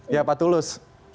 ya pak tulus